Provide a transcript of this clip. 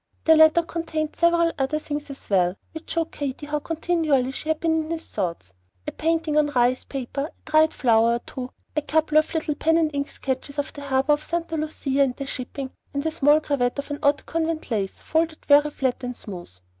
The letter contained several other things as well, which showed Katy how continually she had been in his thoughts, a painting on rice paper, a dried flower or two, a couple of little pen and ink sketches of the harbor of Santa Lucia and the shipping, and a small cravat of an odd convent lace folded very flat and smooth.